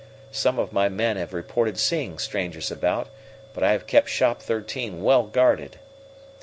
Some of my men have reported seeing strangers about, but I have kept Shop Thirteen well guarded.